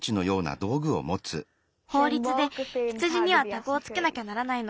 ほうりつで羊にはタグをつけなきゃならないの。